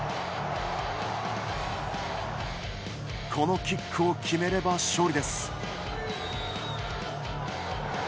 このキックを決めれば勝利です。